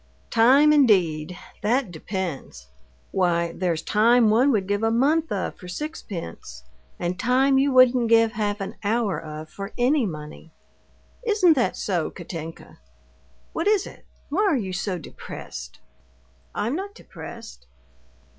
"Time, indeed, that depends! Why, there's time one would give a month of for sixpence, and time you wouldn't give half an hour of for any money. Isn't that so, Katinka? What is it? why are you so depressed?" "I'm not depressed."